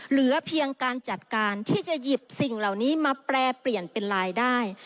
เหลือเพียงการจัดการที่จะหยิบสิ่งเหล่านี้มาแปรเปลี่ยนเป็นรายได้